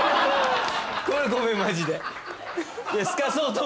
これごめんマジで。